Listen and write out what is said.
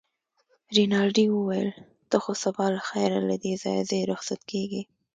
رینالډي وویل: ته خو سبا له خیره له دې ځایه ځې، رخصت کېږې.